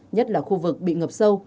nhất là khu vực bị ngập sâu